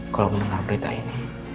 kalau mendengar berita ini